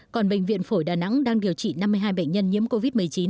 còn bệnh viện phổi đà nẵng đang điều trị năm mươi hai bệnh nhân nhiễm covid một mươi chín